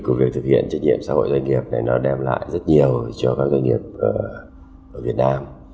cái việc thực hiện trách nhiệm xã hội doanh nghiệp này nó đem lại rất nhiều cho các doanh nghiệp ở việt nam